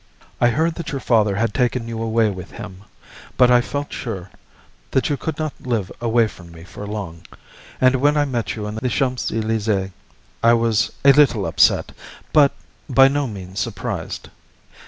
I heard that your father had taken you away with him, but I felt sure that you could not live away from me for long, and when I met you in the Champs Elysées, I was a little upset, but by no means surprised.